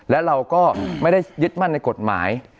และเราก็ไม่ได้ยึดมั่นในกฎหมาย